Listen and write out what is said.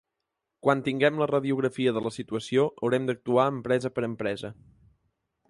Quan tinguem la radiografia de la situació haurem d’actuar empresa per empresa.